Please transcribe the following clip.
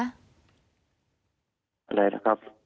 อะไรนะครับ